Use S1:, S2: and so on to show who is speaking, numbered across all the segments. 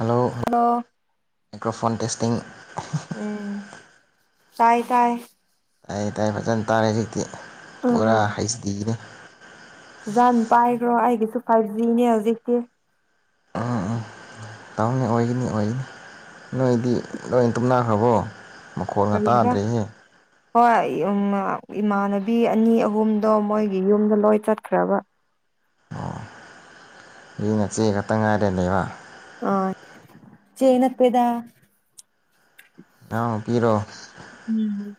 S1: Hello
S2: hello
S1: microphone testing
S2: ꯎꯝ ꯇꯥꯏ ꯇꯥꯏ
S1: ꯇꯏꯇꯥꯥꯏ ꯐꯖꯅ ꯇꯥꯔꯦ ꯍꯧꯖꯤꯛꯇꯤ ꯄꯨꯔꯥ
S2: ꯑꯥ
S1: ꯍꯩꯁꯗꯤꯅꯤ
S2: ꯖꯥꯟ ꯄꯥꯏꯈ꯭ꯔꯣ ꯑꯩꯒꯤꯁꯨ ꯐꯥꯏꯚ ꯖꯤꯅꯦ ꯍꯧꯖꯤꯛꯇꯤ
S1: ꯇꯅꯤ ꯑꯣꯏꯒꯅꯤ ꯑꯣꯏꯒꯅꯤ ꯅꯣꯏꯗꯤ ꯂꯣꯏ ꯇꯨꯝꯅꯈ꯭ꯔꯕꯣ ꯃꯈꯣꯟꯒ
S2: ꯀꯔꯤꯕ
S1: ꯇꯥꯗ꯭ꯔꯦꯍꯦ
S2: ꯍꯣꯏ ꯏꯃꯥꯟꯅꯕꯤ ꯑꯅꯤ ꯑꯍꯨꯝꯗꯣ ꯃꯣꯏꯒꯤ ꯌꯨꯝꯗ ꯂꯣꯏ ꯆꯠꯈ꯭ꯔꯕ
S1: ꯅꯣꯏ ꯅꯆꯦ ꯈꯛꯇ ꯉꯥꯏꯔꯦ ꯂꯩꯕ
S2: ꯑ ꯏꯆꯦ ꯅꯠꯇꯦꯗ
S1: ꯅꯅꯥꯎꯅꯨꯄꯤꯔꯣ
S2: ꯎꯝ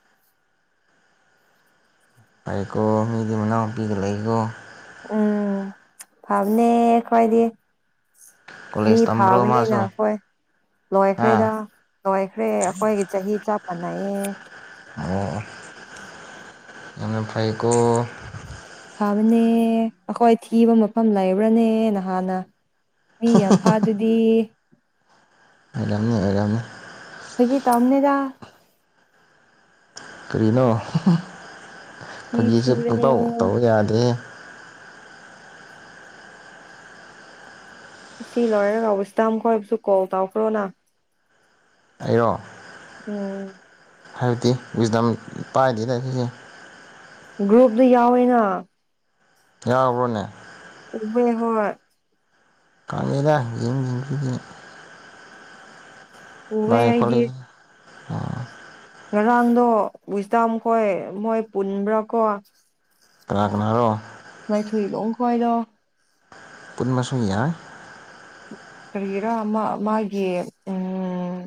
S1: ꯅꯩꯀꯣ ꯃꯤꯗꯤ ꯃꯅꯥꯎ ꯄꯤꯒ ꯂꯩꯀꯣ
S2: ꯎꯝ ꯐꯕꯅꯦ ꯈꯣꯏꯗꯤ ꯃꯤ
S1: ꯀꯣꯂꯦꯖ ꯇꯝꯕ꯭ꯔꯣ
S2: ꯐꯥꯕꯅꯤꯅ
S1: ꯃꯥꯁꯨ
S2: ꯈꯏ
S1: ꯍꯥ
S2: ꯂꯣꯏꯈ꯭ꯔꯦꯗ ꯂꯣꯏꯈ꯭ꯔꯦ ꯑꯩꯈꯣꯏꯒꯤ ꯆꯍꯤ ꯆꯞ ꯃꯥꯅꯩꯑꯦ
S1: ꯑꯣꯑꯣ ꯌꯥꯝꯅ ꯐꯩꯀꯣ
S2: ꯐꯕꯅꯦ ꯑꯩꯈꯣꯏ ꯊꯤꯕ ꯃꯐꯝ ꯂꯩꯕ꯭ꯔꯅꯦ ꯅꯍꯥꯟꯅ ꯃꯤ ꯌꯥꯝꯐꯥꯗꯨꯗꯤ
S1: ꯑꯣꯏꯔꯝꯅꯤ ꯑꯣꯏꯔꯝꯅꯤ
S2: ꯐꯒꯤ ꯇꯧꯅꯤꯗ
S1: ꯀꯔꯤꯅꯣ
S2: ꯃꯤ
S1: ꯐꯥꯒꯤꯁꯦ
S2: ꯊꯤꯕꯅꯦ
S1: ꯄꯨꯡꯇꯧ ꯇꯧ ꯌꯥꯗꯦꯍꯦ
S2: ꯑꯁꯤ ꯂꯣꯏꯔꯒ ꯋꯤꯁꯗꯝ ꯈꯣꯏꯕꯨꯁꯨ ꯀꯣꯜ ꯇꯧꯈ꯭ꯔꯣꯅ
S1: ꯑꯔꯣ
S2: ꯎꯝ
S1: ꯍꯥꯏꯕꯗꯤ ꯋꯤꯁꯗꯝ ꯄꯥꯏꯗꯦꯗ ꯁꯤꯁꯦ
S2: ꯒ꯭ꯔꯨꯞꯇ ꯌꯥꯎꯋꯦꯅ
S1: ꯌꯥꯎꯕ꯭ꯔꯣꯅꯦ
S2: ꯎꯋꯦ ꯍꯣꯏ
S1: [unintelligible]
S2: ꯎꯋꯦ ꯑꯩꯗꯤ
S1: [unintelligible]
S2: ꯉꯔꯥꯡꯗꯣ ꯋꯤꯁꯗꯝ ꯈꯣꯏ ꯃꯣꯏ ꯄꯨꯟꯕ꯭ꯔꯀꯣ
S1: ꯀꯅꯥ ꯀꯅꯥꯔꯣ
S2: ꯉꯥꯏꯊꯨꯏꯂꯣꯡ ꯈꯣꯏꯗꯣ
S1: ꯄꯨꯟꯕꯁꯨ ꯌꯥꯏ
S2: ꯀꯔꯤꯒꯤꯔ ꯃꯥ ꯃꯥꯒꯤ ꯎꯝ꯬꯬꯬ ꯎꯝ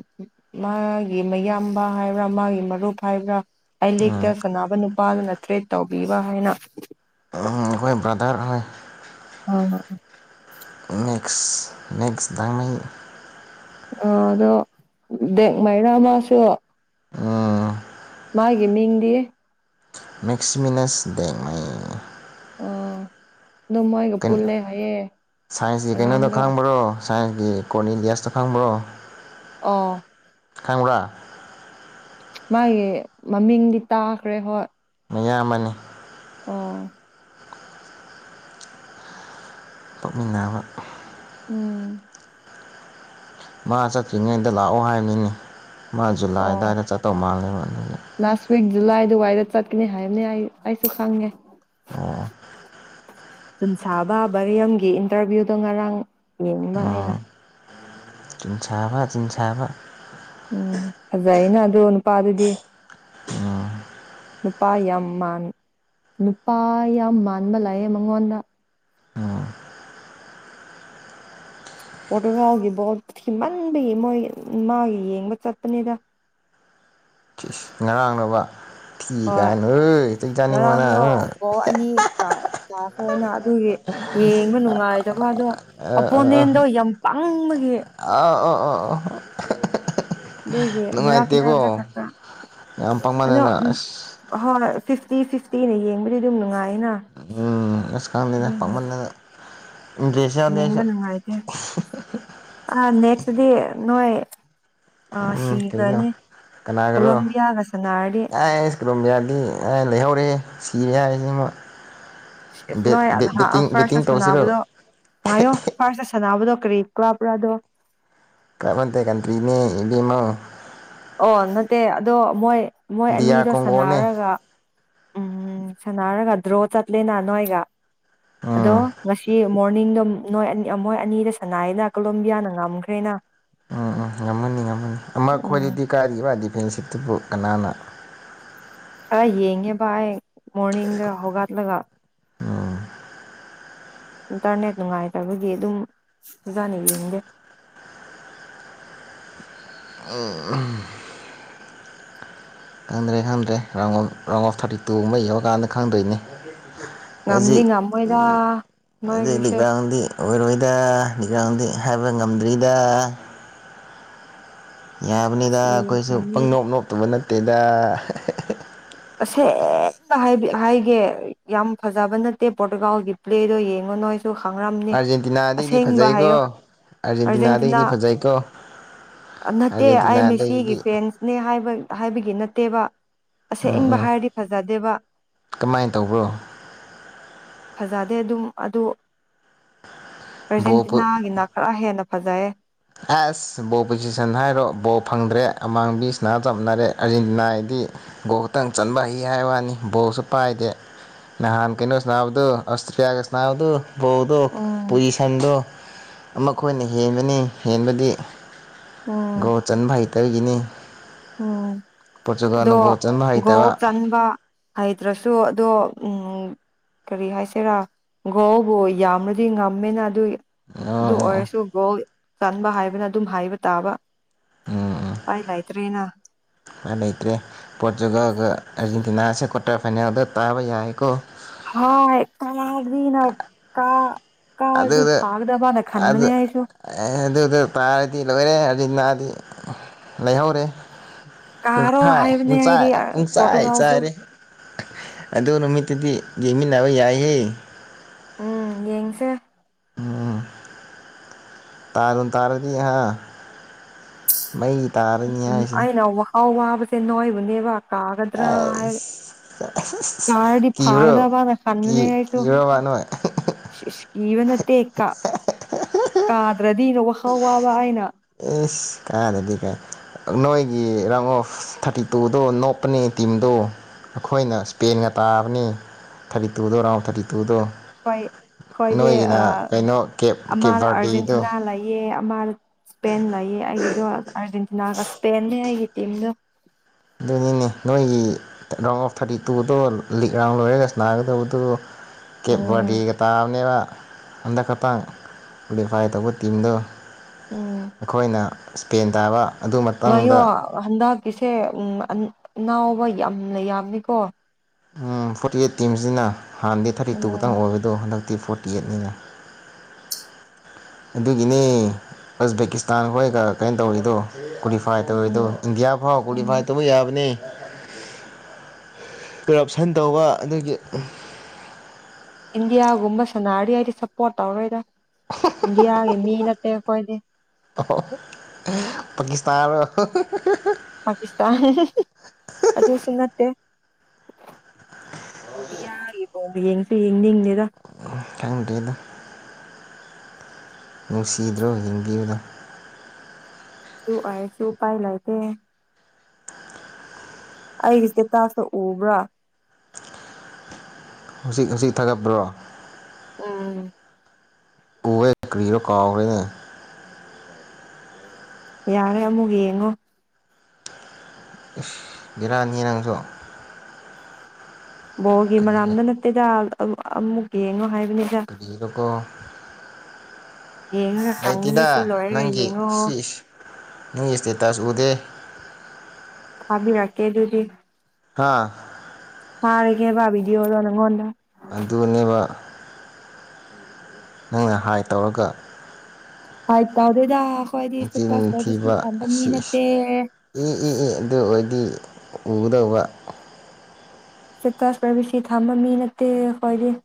S2: ꯃꯥꯒꯤ ꯃꯌꯥꯝꯕ ꯍꯥꯏꯕ꯭ꯔ ꯃꯥꯒꯤ ꯃꯔꯨꯞ ꯍꯥꯏꯕ꯭ꯔ ꯑꯥꯢ
S1: ꯎꯝ
S2: ꯂꯤꯛꯇ ꯁꯥꯟꯅꯕ ꯅꯨꯄꯥꯗꯨꯅ ꯇ꯭ꯔꯤꯠ ꯇꯧꯕꯤꯕ ꯍꯥꯏꯅ
S1: ꯃꯈꯣꯏ ꯕ꯭ꯔꯥꯗꯔ ꯅꯦ
S2: ꯑꯣꯑꯣ
S1: [unintelligible]
S2: ꯑ ꯑꯗꯣ ꯗꯦꯛꯃꯩꯔ ꯃꯥꯁꯨ ꯃꯥꯒꯤ ꯃꯤꯡꯗꯤ
S1: ꯃꯦꯛꯁꯃꯤꯅꯁ ꯗꯦꯡꯉꯥꯏ
S2: ꯎꯝ ꯑꯗꯨ ꯃꯣꯏꯒ ꯄꯨꯜꯂꯦ ꯍꯥꯏꯌꯦꯦ ꯉꯔꯥꯡꯗꯣ
S1: ꯊꯥꯏꯅꯒꯤ ꯀꯣꯅꯤꯅꯤꯌꯁꯇꯣ ꯈꯪꯕ꯭ꯔꯣ
S2: ꯑꯥ꯬꯬
S1: ꯈꯪꯕ꯭ꯔ
S2: ꯃꯥꯒꯤ ꯃꯃꯤꯡꯗꯤ ꯇꯥꯈ꯭ꯔꯦ ꯍꯣꯏ
S1: ꯃꯌꯥꯝꯕꯅꯦ
S2: ꯑꯣ
S1: ꯇꯣꯛꯃꯤꯟꯅꯕ
S2: ꯎꯝ
S1: ꯃꯥ ꯆꯠꯇ꯭ꯔꯤꯉꯩꯗ ꯂꯥꯛꯑꯣ ꯍꯥꯏꯕ ꯅꯤ ꯃꯥ ꯖꯨꯂꯥꯏ
S2: ꯑꯣ
S1: ꯑꯗꯨꯋꯥꯏꯗ ꯆꯠꯇꯧ ꯃꯥꯜꯂꯦꯕ
S2: ꯂꯥꯁ ꯋꯤꯛ ꯖꯨꯂꯥꯏ ꯑꯗꯨꯋꯥꯏꯗ ꯆꯠꯀꯅꯤ ꯍꯥꯏꯕꯅꯦ ꯑꯩ ꯑꯩꯁꯨ ꯈꯪꯉꯦ
S1: ꯑꯣ
S2: ꯆꯤꯟꯁꯥꯕ ꯕꯔꯤꯌꯝꯒꯤ ꯏꯟꯇꯔꯚꯤꯌꯨꯗꯣ ꯉꯔꯥꯡ ꯌꯦꯡꯕ ꯑꯩꯅ
S1: ꯆꯤꯟꯁꯥꯕ ꯆꯤꯟꯁꯥꯕ
S2: ꯎꯝ ꯐꯖꯩ ꯌ‌ꯦꯅꯥ ꯑꯗꯣ ꯅꯨꯄꯥꯗꯨꯗꯤ ꯅꯨꯄꯥ ꯌꯥꯝ ꯃꯥꯟ ꯅꯨꯄꯥ ꯌꯥꯝ ꯃꯥꯟꯕ ꯂꯩꯌ‌ꯦ ꯃꯉꯣꯟꯗꯥ ꯄꯔ‌ꯣꯇꯨꯒꯜꯒꯤ ꯕꯣꯠ ꯊꯤꯃꯟꯕꯒꯤ ꯃꯣꯏ ꯃꯥꯒꯤ ꯌꯦꯡꯕ ꯆꯠꯄꯅꯤꯗꯥ
S1: ꯉꯔꯥꯡꯅ‌ꯣꯕ ꯊꯤ
S2: ꯍꯣꯏ
S1: ꯀꯥꯏꯅ ꯍ‌ꯣꯏ ꯆꯩ ꯆꯥꯅꯤꯡꯕ
S2: ꯉꯔꯥꯡꯗꯣ
S1: ꯅꯪ ꯍꯥ
S2: ꯒꯣꯜ ꯑꯅꯤ ꯀꯥ ꯀꯥꯈ꯭ꯔꯦꯅ ꯑꯗꯨꯒꯤ ꯌꯦꯡꯕ ꯅꯨꯡꯉꯥꯏꯗꯕ ꯑꯗꯣ ꯑꯣꯄꯣꯅꯦꯟꯗꯣ ꯌꯥꯝ ꯄꯪꯕꯒꯤ
S1: ꯑꯥ ꯑ‌ꯣ ꯑ‌ꯣ ꯑ‌ꯣ
S2: ꯑꯗꯨꯒꯤ ꯃꯔꯥꯛ ꯃꯔꯥꯛ ꯇ ꯈꯛꯇ
S1: ꯌꯥꯝ
S2: ꯑꯗꯣ
S1: ꯄꯥꯡꯃꯟꯗꯅ
S2: ꯎꯝ
S1: ꯑꯁ
S2: ꯍꯣꯏ ꯐꯤꯐꯇꯤ ꯐꯤꯐꯇꯤꯅ ꯌꯦꯡꯕꯗꯤ ꯑꯗꯨꯝ ꯅꯨꯡꯉꯥꯏꯅ
S1: ꯎꯝ ꯑꯁ ꯈꯪꯗ‌ꯦꯗꯥ
S2: ꯑꯗꯨꯒꯤ
S1: ꯄꯪꯃꯜꯂꯒ
S2: ꯌꯦꯡꯕ ꯅꯨꯡꯉꯥꯏꯇꯦ ꯑ ꯅꯦꯛꯁꯇꯗꯤ ꯅꯣꯏ ꯑ
S1: ꯎꯝ ꯀꯩꯅꯣ
S2: ꯁꯤꯈ꯭ꯔꯅꯤ ꯀꯣꯂꯣꯝꯕꯤꯌꯥꯒ ꯁꯥꯟꯅꯔꯗꯤ
S1: ꯀ‌ꯣꯂ‌ꯣꯝꯕꯤꯌꯥꯗꯤ ꯂꯩꯍꯧꯔꯦ ꯁꯤꯔꯦ ꯍꯥꯏꯖ‌ꯦ ꯃ‌ꯣꯏ
S2: ꯅꯣꯏ ꯑꯗꯥ ꯑꯥ ꯐꯔꯥꯁ
S1: ꯕꯦꯠꯇꯤꯡ
S2: ꯇꯥ
S1: ꯇꯧꯁꯤꯔꯣ
S2: ꯁꯥꯟꯅꯕꯗꯣ ꯉꯥꯏꯌꯣ ꯐꯔꯥꯁꯇ ꯁꯥꯟꯅꯕꯗꯣ ꯀꯔꯤ ꯀꯥꯕ꯭ꯔꯥꯗꯣ
S1: [unintelligible] ꯅꯠꯇ‌ꯦ ꯀꯟꯇ꯭ꯔꯤꯅ‌ꯦ ꯏꯕ‌ꯦꯃꯥ
S2: ꯑꯣ ꯅꯠꯇꯦ ꯑꯗꯣ ꯃꯣꯏ ꯃꯣꯏ
S1: ꯗꯤ ꯑꯥꯔ
S2: ꯑꯅꯤꯗꯣ
S1: ꯀꯣꯡꯒꯣꯅꯦ
S2: ꯁꯥꯟꯅꯔꯒꯥ ꯎꯝ ꯁꯟꯅꯔꯒ ꯗ꯭ꯔꯣ ꯆꯠꯂꯦꯅ ꯅꯣꯏꯒ꯫ ꯑꯗꯣ
S1: ꯎꯝ
S2: ꯉꯁꯤ ꯃꯣꯔꯅꯤꯡꯗꯨꯝ ꯅꯣꯏ ꯑꯟ ꯃꯣꯏ ꯑꯅꯤꯗ ꯁꯟꯌ‌ꯦꯅꯥ ꯀꯣꯂꯣꯝꯕꯤꯌꯥꯅ ꯉꯝꯈ꯭ꯔꯦꯅ꯫
S1: ꯑ-ꯑ ꯉꯝꯃꯥꯅꯤ-ꯉꯝꯃꯥꯅꯤ ꯑꯃ
S2: ꯎꯝ
S1: ꯈꯣꯏꯗꯗꯤ ꯀꯥꯏꯗꯒꯤꯕꯥ ꯗꯤꯐꯦꯟꯁꯤꯞꯇꯨꯕꯨ ꯀꯅꯥꯅ
S2: ꯈ꯭ꯔꯥ ꯌꯦꯡꯉꯦꯕ ꯑꯩ ꯃꯣꯔꯅꯤꯡꯗꯣ ꯍꯧꯒꯠꯂꯒ꯫
S1: ꯎꯝ
S2: ꯏꯟꯇꯔꯅꯦꯠ ꯅꯨꯡꯉꯥꯏꯇꯕꯒꯤ ꯑꯗꯨꯝ ꯐꯖꯅꯥ ꯌꯦꯡꯗꯦ꯫
S1: [unintelligible] ꯈꯪꯗ꯭ꯔꯦ-ꯈꯪꯗ꯭ꯔꯦ round of round of thirty ꯇꯨꯒꯨꯝꯕ ꯌꯧꯔꯀꯥꯟꯗ ꯈꯪꯗꯣꯏꯅꯦ꯫
S2: ꯉꯝꯗꯤ
S1: ꯍꯖꯤꯛ
S2: ꯉꯝꯃꯣꯏꯗ
S1: ꯎꯝ ꯑꯗꯩ ꯂꯤꯛ
S2: ꯅꯣꯏꯒꯤꯁꯦ
S1: ꯔꯥꯎꯟꯗꯤ ꯑꯣꯏꯔꯣꯏꯗ ꯂꯤ ꯌꯥꯎꯗꯤ ꯍꯥꯏꯕ ꯉꯝꯗ꯭ꯔꯤꯗ꯫ ꯌꯥꯕꯅꯤꯗ ꯑꯈꯣꯏꯖꯨ
S2: ꯁꯤꯈ꯭ꯔꯅꯤ
S1: ꯄꯪꯅꯣꯞ ꯅꯣꯞꯇꯕ ꯅꯠꯇꯦꯗ ꯫
S2: ꯑꯁꯦꯡꯕ ꯍꯥꯏꯕꯤ ꯍꯥꯏꯒꯦ ꯌꯥꯝ ꯐꯖꯕ ꯅꯠꯇꯦ ꯄꯣꯔꯇꯨꯒꯥꯜꯒꯤ ꯄ꯭ꯂꯦꯗꯣ ꯌꯦꯡꯉꯣ ꯅꯣꯏ ꯗꯨ ꯈꯥꯡꯔꯝꯅꯤ
S1: ꯑꯥꯔꯖꯦꯟꯇꯤꯅꯥꯗꯩꯗꯤ
S2: ꯑꯁꯦꯡꯕ
S1: ꯐꯖꯩꯀꯣ
S2: ꯍꯥꯏꯌꯣ ꯑꯔꯖꯦꯟꯇꯤꯅꯥ
S1: ꯑꯥꯔꯖꯦꯟꯇꯤꯅꯥꯗꯒꯤꯗꯤ ꯐꯖꯩꯀꯣ
S2: ꯑ ꯅꯠꯇꯦ ꯑꯩ ꯃꯤꯁꯤꯒꯤ
S1: ꯑꯥꯔꯖꯦꯟꯇꯤꯅꯥꯗꯒꯤꯗꯤ
S2: ꯐꯦꯟꯁꯅꯦ ꯍꯥꯏꯕ ꯍꯥꯏꯕꯒꯤ ꯅꯠꯇꯦꯕ꯫ ꯑꯁꯦꯡꯕ ꯍꯥꯏꯔꯗꯤ ꯐꯖꯗꯦꯕ
S1: ꯀꯃꯥꯏꯟ ꯇꯧꯕ꯭ꯔꯣ
S2: ꯐꯖꯥꯗꯦ ꯑꯗꯨꯝ ꯑꯗꯨ
S1: ꯕꯣꯜ
S2: ꯑꯔꯖꯦꯟꯇꯤꯅꯥꯒꯤꯅ ꯈ꯭ꯔ ꯍꯦꯟꯅ ꯐꯖꯩꯌꯦ꯫
S1: ꯑꯁ ꯕꯣꯜ ꯄꯣꯖꯤꯁꯟ ꯍꯥꯏꯔꯣ ꯕꯣ ꯐꯪꯗ꯭ꯔꯦ ꯑꯃꯥꯡꯕꯤ ꯁ꯭ꯅꯥ ꯆꯞꯃꯅꯔꯦ ꯑꯔꯖꯦꯟꯇꯤꯅꯥꯏꯗꯤ ꯒꯣꯜ ꯈꯇꯪ ꯆꯟꯕ ꯍꯩ ꯍꯥꯏ ꯋꯥꯅꯤ ꯕꯣꯜꯁꯨ ꯄꯥꯏꯗꯦ꯫ ꯅꯍꯥꯟ ꯀꯩꯅꯣ ꯁ꯭ꯅꯥꯕꯗꯨ ꯑꯁꯇ꯭ꯔꯤꯌꯥꯒ ꯁ꯭ꯅꯥꯕꯗꯨ ꯕꯣꯜꯗꯣ
S2: ꯎꯝ
S1: ꯄꯣꯌꯤꯁꯟꯗꯣ ꯑꯃꯥ ꯈꯣꯏꯅ ꯍꯦꯟꯕꯅꯦ ꯍꯦꯟꯕꯗꯤ
S2: ꯎꯝ
S1: ꯒꯣꯜ ꯆꯟꯕ ꯍꯩꯇꯕꯒꯤꯅꯤ꯫
S2: ꯎꯝ ꯑꯗꯣ
S1: ꯄꯣꯔꯇꯨꯒꯥꯜꯅ ꯒꯣꯜ ꯆꯟꯕ
S2: ꯒꯣꯜ
S1: ꯍꯩꯇꯕ
S2: ꯆꯟꯕ ꯍꯩꯇ꯭ꯔꯁꯨ ꯑꯗꯣ ꯎꯝ ꯀꯔꯤ ꯍꯥꯏꯁꯤꯔꯥ ꯒꯣꯜꯕꯨ ꯌꯥꯝꯔꯗꯤ ꯉꯝꯃꯦꯅ ꯑꯗꯨꯏ
S1: ꯎꯝ ꯎꯝ
S2: ꯗꯨꯑꯣꯏꯔꯁꯨ ꯒꯣꯜ ꯆꯟꯕ ꯍꯥꯏꯕꯅ ꯑꯗꯨꯝ ꯍꯥꯏꯕ ꯇꯥꯕ ꯄꯥꯏ ꯂꯩꯇ꯭ꯔꯦꯅ
S1: ꯍ ꯂꯩꯇ꯭ꯔꯦ ꯄꯣꯔꯇꯨꯒꯜꯒ ꯑꯔꯖꯦꯟꯇꯤꯅꯥꯁꯦ ꯀ꯭ꯋꯥꯇꯔ ꯐꯥꯏꯅꯦꯜꯗ ꯇꯥꯕ ꯌꯥꯏꯌꯦꯀꯣ꯫
S2: ꯍꯣꯏ [unintelligible] ꯀꯥ ꯀꯥꯔꯗꯤ ꯐꯥꯒꯗꯕꯥꯅ ꯈꯟꯕꯅꯦ ꯑꯩꯁꯨ
S1: ꯑꯍꯦ ꯑꯗꯨꯗ ꯇꯥꯔꯗꯤ ꯂꯣꯏꯔꯦ ꯑꯔꯖꯦꯟꯇꯤꯅꯥꯗꯤ ꯂꯩꯍꯧꯔꯦ꯫
S2: ꯀꯥꯔꯣ
S1: ꯎꯝꯍꯥꯏ
S2: ꯍꯥꯏꯕꯅꯦ ꯑꯩꯗꯤ
S1: ꯄꯨꯡꯆꯥꯏ-ꯄꯨꯡꯆꯥꯏ
S2: ꯄꯣꯔꯇꯨꯒꯥꯜꯁꯨ
S1: ꯆꯥꯏꯔꯦꯍꯦ꯫ ꯑꯗꯨ ꯅꯨꯃꯤꯠꯇꯨꯗꯤ ꯌꯦꯡꯃꯤꯟꯅꯕ ꯌꯥꯏꯍꯦ꯫
S2: ꯎꯝ ꯌꯦꯡꯁꯦ
S1: ꯇꯥꯗꯨꯝ ꯇꯥꯔꯗꯤ ꯍꯥ ꯃꯩ ꯇꯥ
S2: [inaudible] ꯑꯩꯅ ꯋꯥꯈꯥꯜ ꯋꯥꯕꯁꯦ ꯅꯣꯏꯕꯨꯅꯦꯕ꯫ ꯀꯥꯒꯗ꯭ꯔꯥ ꯍꯥꯏꯔꯦ
S1: ꯑꯩꯁ
S2: ꯀꯥꯔꯗꯤ ꯐꯥꯒꯗꯕꯥꯅ ꯈꯥꯟꯕꯅꯦ
S1: ꯀꯤꯕ꯭ꯔꯥꯕ ꯅꯣꯏ [unintelligible]
S2: ꯁꯤ ꯏꯁ ꯀꯤꯕ ꯅꯠꯇꯦ ꯀ ꯀꯥꯗ꯭ꯔꯗꯤꯅ ꯋꯥꯈꯥꯜ ꯋꯥꯕ ꯑꯩꯅ
S1: ꯏꯁ ꯀꯥꯔꯗꯤ ꯀꯩ ꯅꯣꯏꯒꯤ ꯔꯥꯡ ꯑꯣꯐ ꯊꯥꯔꯇꯤ ꯇꯨꯗꯣ ꯅꯣꯞꯄꯅꯦ ꯇꯤꯝꯗꯣ꯫ ꯑꯈꯣꯏꯅ ꯁ꯭ꯄꯦꯟꯒ ꯇꯥꯕꯅꯤ ꯊꯥꯔꯇꯤ ꯇꯨꯗꯣ ꯔꯥꯎꯟ ꯊꯥꯔꯇꯤ ꯇꯨꯗꯣ꯫
S2: ꯍꯣꯏ ꯑꯈꯣꯏꯗꯤ
S1: ꯅꯣꯏꯒꯤꯅ
S2: ꯑꯥ
S1: ꯀꯩꯅꯣ ꯀꯦꯞ ꯀꯦꯞ
S2: ꯑꯃꯗ
S1: ꯕꯔꯗꯦꯗꯣ
S2: ꯑꯔꯖꯦꯟꯇꯤꯅꯥ ꯂꯩꯌꯦ ꯑ꯫ ꯃꯥꯗ ꯁ꯭ꯄꯦꯟ ꯂꯩꯌꯦ ꯑꯩꯒꯤꯗꯣ ꯑꯔꯖꯦꯟꯇꯤꯅꯥꯒ ꯁ꯭ꯄꯦꯟꯅꯦ ꯑꯩꯒꯤ ꯇꯤꯝꯗꯣ꯫
S1: ꯑꯗꯨꯅꯤꯅꯦ ꯅꯣꯏꯒꯤ ꯇ ꯔꯥꯎꯟ ꯑꯣꯐ ꯊꯥꯔꯇꯤ ꯇꯨꯗꯣ ꯂꯤꯛ ꯔꯥꯎꯟ ꯂꯣꯏꯔꯒ ꯁ꯭ꯅꯥꯒꯗꯧꯕꯗꯨ ꯀꯦꯞ
S2: ꯑꯣ
S1: ꯕꯔꯗꯦꯒ ꯇꯥꯕꯅꯦꯕ ꯍꯟꯗꯛ ꯈꯇꯥꯡ꯫ ꯀꯨꯂꯤꯐꯥꯏ ꯇꯧꯕ ꯇꯤꯝꯗꯣ
S2: ꯎꯝ
S1: ꯑꯈꯣꯏꯅ ꯁ꯭ꯄꯦꯟ ꯇꯥꯕ꯫ ꯑꯗꯨ
S2: ꯉꯥꯏꯌꯣ
S1: ꯃꯇꯨꯡꯗ
S2: ꯍꯟꯗꯛꯀꯤꯁꯦ ꯎ ꯑꯅꯥꯎꯕ ꯌꯥꯝꯅ ꯌꯥꯝꯃꯤꯀꯣ
S1: ꯐꯣꯔꯇꯤ ꯑꯩꯠ ꯇꯤꯝꯁꯤꯅ ꯍꯥꯟꯅꯗꯤ ꯊꯥꯔꯇꯤ ꯇꯨ ꯈꯛꯇꯪ
S2: ꯑꯣ
S1: ꯑꯣꯏꯕꯗꯣ ꯍꯟꯗꯛꯇꯤ ꯐꯣꯔꯇꯤ ꯑꯩꯠꯅꯤꯅ ꯑꯗꯨꯒꯤꯅꯦ ꯑꯁꯕꯦꯀꯤꯁꯇꯥꯟ ꯍꯣꯏꯒ ꯀꯩꯅꯣ ꯇꯧꯔꯤꯗꯣ ꯀꯨꯂꯤꯐꯥꯏ ꯇꯧꯗꯣ
S2: ꯎꯝ
S1: ꯏꯟꯗꯤꯌꯥ ꯐꯥꯎ
S2: ꯎꯝ
S1: ꯀꯨꯂꯤꯐꯥꯏ ꯇꯧꯕ ꯌꯥꯕꯅꯦ ꯀꯔꯞꯁꯟ ꯇꯧꯕ ꯑꯗꯒꯤ
S2: ꯏꯟꯗꯤꯌꯥꯒꯨꯝꯕ ꯁꯥꯟꯅꯗꯤ ꯍꯥꯏꯗꯤ ꯁꯞꯄꯣꯔꯠ ꯇꯧꯔꯣꯏꯗ ꯏꯟꯗꯤꯌꯥꯒꯤ ꯃꯤ ꯅꯠꯇꯦ ꯑꯩꯈꯣꯏꯗꯤ
S1: ꯄꯥꯀꯤꯁꯇꯥꯟꯔꯣ
S2: ꯄꯥꯀꯤꯁꯇꯥꯟ ꯑꯗꯨꯁꯨ ꯅꯠꯇꯦ ꯗꯤ ꯌꯥ ꯌꯦꯡꯁꯨ ꯌꯦꯡꯅꯤꯡꯅꯦꯗ
S1: ꯍꯪꯒꯦꯗꯣ ꯅꯨꯡꯁꯤꯗ꯭ꯔꯣ ꯌꯦꯡꯕꯤꯌꯨꯅ
S2: ꯁꯨ ꯑꯦꯔꯁꯨ ꯄꯥꯏ ꯂꯥꯏꯇꯦ ꯑꯩꯒꯤꯁꯦ ꯇꯥꯛꯇ ꯎꯕ꯭ꯔꯥ
S1: ꯍꯧꯖꯤꯛ ꯍꯧꯖꯤꯛ ꯊꯥꯒꯠꯄ꯭ꯔꯣ
S2: ꯎꯝ
S1: ꯎꯍ ꯀꯔꯤꯔꯣ ꯀꯥꯅꯦ
S2: ꯌꯥꯔꯦ ꯑꯃꯨꯛ ꯌꯦꯡꯉꯣ
S1: ꯕꯦꯔꯅꯤ ꯅꯪꯡꯁꯨ
S2: ꯕꯣꯜꯒꯤ
S1: ꯀꯔꯤ
S2: ꯃꯔꯝ ꯅꯠꯇꯦꯗ ꯑꯃꯨꯛ ꯌꯦꯡꯉꯣ ꯍꯥꯏꯕꯅꯦ
S1: ꯏꯗꯤꯗꯀꯣ
S2: ꯌꯦꯡꯉꯒ ꯈꯪꯒꯅꯤ
S1: ꯂꯩꯇꯦꯗ
S2: ꯁꯤ ꯂꯣꯏꯔꯒ
S1: ꯅꯪꯒꯤ
S2: ꯌꯦꯡꯉꯣ
S1: ꯁꯤ ꯃꯤ ꯏꯁꯇꯦꯠꯇ ꯑꯁꯤ ꯎꯗꯦ
S2: ꯍꯥꯕꯤꯔ ꯀꯦ ꯑꯗꯨꯗꯤ
S1: ꯍꯥꯥ
S2: ꯊꯔꯒꯦꯕꯥ ꯕꯤꯗꯤꯎꯗꯣ ꯅꯪꯉꯣꯅꯗꯥ
S1: ꯑꯗꯨꯅꯦꯕ ꯅꯪꯅ ꯍꯥꯏ ꯇꯧꯔꯒ
S2: ꯍꯥꯏꯗ ꯇꯧꯗꯦꯗ ꯑꯩꯈꯣꯏꯗꯤ ꯁꯇꯦꯇꯁ
S1: ꯆꯤꯟ
S2: ꯄ꯭ꯔꯥꯏꯕꯦꯁꯤ
S1: ꯊꯤꯕ
S2: ꯊꯝꯕ ꯃꯤ
S1: ꯁꯤꯁ
S2: ꯅꯠꯇꯦ
S1: ꯏ ꯏ ꯏ ꯑꯗꯨ ꯑꯣꯏꯗꯤ ꯎꯒꯗꯧꯕ
S2: ꯁꯇꯦꯇꯁ ꯄ꯭ꯔꯥꯏꯕꯦꯁꯤ ꯊꯝꯕ ꯃꯤ ꯅꯠꯇꯦ ꯑꯩꯈꯣꯏꯗꯤ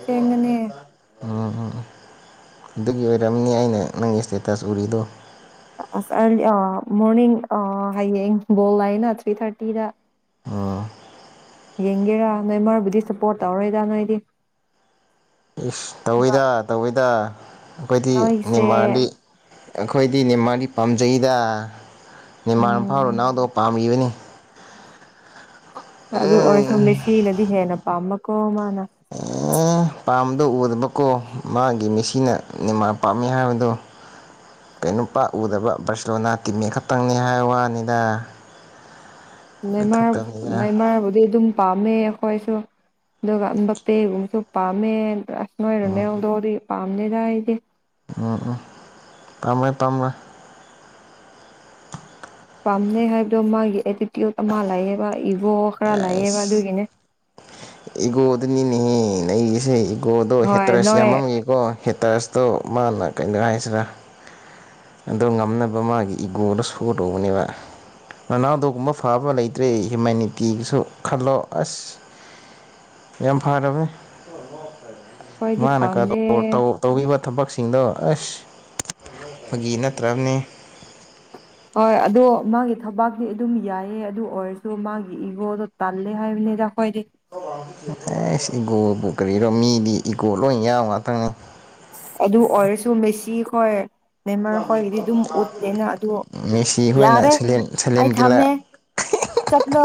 S2: ꯑꯁꯦꯡꯕꯅꯦ
S1: ꯎꯝ ꯎꯝ ꯑꯗꯨꯒꯤ ꯑꯣꯏꯔꯝꯅꯤ ꯑꯩꯅ ꯅꯪꯒꯤ ꯁꯇꯦꯇꯁ ꯎꯔꯤꯗꯣ
S2: ꯑꯁ ꯑꯥꯔꯂꯤ ꯑ ꯃꯣꯔꯅꯤꯡ ꯑꯥ ꯍꯌꯦꯡ ꯕꯣꯜ ꯂꯩꯅ ꯊ꯭ꯔꯤ ꯊꯥꯔꯇꯤꯗ
S1: ꯑꯥ
S2: ꯌꯦꯡꯒꯦꯔꯥ ꯅꯣꯏ ꯃꯔꯕꯨꯗꯤ ꯁꯞꯄꯣꯔꯠ ꯇꯧꯔꯣꯏꯗ ꯅꯣꯏꯗꯤ
S1: ꯏꯁ ꯇꯧꯋꯤꯗ ꯇꯧꯋꯤꯗ ꯑꯩꯈꯣꯏꯗꯤ
S2: ꯅꯣꯏꯁꯦ
S1: ꯅꯦꯃꯥꯔꯂꯤ ꯑꯩꯈꯣꯏꯗꯤ ꯅꯦꯃꯥꯥꯔꯗꯤ ꯄꯥꯝꯖꯩꯗ ꯅꯦꯃꯥꯥꯔꯐꯥꯎ
S2: ꯎꯝ
S1: ꯔꯣꯅꯥꯜꯗꯣ ꯄꯥꯝꯃꯤꯕꯅꯤ
S2: ꯑꯗꯨ
S1: ꯑꯦ
S2: ꯑꯣꯏꯔꯁꯨ ꯃꯦꯁꯤꯅꯗꯤ ꯍꯦꯟꯅ ꯄꯥꯝꯕꯀꯣ ꯃꯥꯅ
S1: ꯎꯪ꯬꯬ꯄꯥꯝꯕꯗꯣ ꯎꯗꯕꯀꯣ ꯃꯥꯒꯤ ꯃꯦꯁꯤꯅ ꯅꯦꯃꯥꯔ ꯄꯥꯝꯃꯤ ꯍꯥꯏꯕꯗꯣ ꯀꯩꯅꯣꯄꯥ ꯎꯗꯕ ꯕꯥꯔꯁꯦꯂꯣꯅꯥ ꯇꯤꯝꯃꯦꯠ ꯈꯛꯇꯪꯅꯦ ꯍꯥꯏ ꯋꯥꯅꯤꯗ
S2: ꯅꯦꯃꯥꯔ
S1: ꯑꯣꯏꯊꯣꯛꯇꯕꯅꯤꯗ
S2: ꯅꯦꯃꯥꯔꯕꯨꯗꯤ ꯑꯗꯨꯝ ꯄꯥꯝꯃꯦ ꯑꯩꯈꯣꯏꯁꯨ ꯑꯗꯨꯒ ꯕꯄꯦꯒꯨꯝꯕꯁꯨ ꯄꯥꯝꯃꯦ ꯑꯁ ꯅꯣꯏ ꯔꯣꯅꯥꯜꯗꯣꯗꯤ ꯄꯥꯝꯗꯦꯗ ꯑꯩꯗꯤ
S1: ꯎꯝ ꯎꯝ ꯄꯥꯝꯣꯏ ꯄꯥꯝꯃꯣꯏ
S2: ꯄꯥꯝꯗꯦ ꯍꯥꯏꯕꯗꯣ ꯃꯥꯒꯤ ꯑꯦꯇꯤꯇ꯭ꯌꯨꯠ ꯑꯃ ꯂꯩꯑꯦꯕ ꯏꯒꯣ ꯈꯔ ꯂꯩꯑꯦꯕ
S1: ꯑꯩꯁ
S2: ꯑꯗꯨꯒꯤꯅꯦ
S1: ꯏꯒꯣꯗꯨꯅꯤꯅꯦꯍꯦ ꯅꯩꯔꯤꯁꯦ ꯏꯒꯣꯗꯣ
S2: ꯍꯣꯏ
S1: ꯍꯦꯠꯇ꯭ꯔꯦꯁ
S2: ꯅꯣꯏ
S1: ꯌꯥꯝꯃꯝꯅꯤ ꯀꯣ ꯍꯦꯇꯔꯁꯇꯣ ꯃꯥꯅ ꯀꯩꯅꯣ ꯍꯥꯏꯁꯤꯔꯥ ꯑꯗꯣ ꯉꯝꯅꯕ ꯃꯥꯒꯤ ꯏꯒꯣꯗꯣ ꯁꯣ ꯇꯧꯕꯅꯦꯕ ꯔꯣꯅꯥꯜꯗꯣꯒꯨꯝꯕ ꯐꯕ ꯂꯩꯇ꯭ꯔꯦ ꯍ꯭ꯌꯨꯃꯦꯟꯅꯤꯇꯤꯒꯤꯁꯨ ꯈꯜꯂꯣ ꯑꯁ ꯌꯥꯝ ꯐꯔꯕꯅꯦ
S2: ꯑꯩꯈꯣꯏꯗꯤ
S1: ꯃꯥꯅ ꯀꯥꯗ
S2: ꯄꯥꯝꯗꯦ
S1: ꯇ ꯇꯧꯕꯤꯕ ꯊꯕꯛꯁꯤꯡꯗꯣ ꯑꯁ ꯐꯒꯤ ꯅꯠꯇ꯭ꯔꯕꯅꯤ
S2: ꯍꯣꯏ ꯑꯗꯣ ꯃꯥꯒꯤ ꯊꯕꯛꯇꯤ ꯑꯗꯨꯝ ꯌꯥꯏꯌꯦ ꯑꯗꯨ ꯑꯣꯏꯔꯁꯨ ꯃꯥꯒꯤ ꯏꯒꯣꯗꯣ ꯇꯜꯂꯤ ꯍꯥꯏꯕꯅꯤꯗ ꯈꯣꯏꯗꯤ
S1: ꯑꯦꯁ ꯏꯒꯣꯕꯨ ꯀꯔꯤꯔꯣ ꯃꯤꯗꯤ ꯏꯒꯣ ꯂꯣꯏ ꯌꯥꯎ ꯉꯥꯛꯇꯅꯦ
S2: ꯑꯗꯨ ꯑꯣꯏꯔꯁꯨ ꯃꯦꯁꯤꯈꯣꯏ ꯅꯦꯃꯥꯔ ꯍꯣꯏꯒꯤꯗꯤ ꯑꯗꯨꯝ ꯎꯠꯇꯦꯅ ꯑꯗꯨ
S1: ꯃꯦꯁꯤ ꯍꯣꯏꯅ
S2: ꯌꯥꯔꯦ
S1: ꯁꯥꯏꯂꯦꯟ ꯁꯥꯏꯂꯦꯟ
S2: ꯑꯩ ꯊꯝꯃꯦ
S1: [unintelligible]
S2: ꯆꯠꯂꯣ